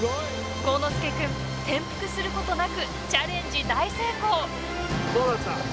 幸之介君、転覆することなくチャレンジ大成功！